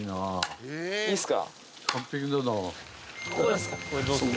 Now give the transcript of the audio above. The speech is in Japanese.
いいっすか？